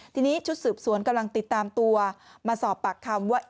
ทีนี้ชุดสืบสวนกำลังติดตามตัวมาสอบปากคำว่า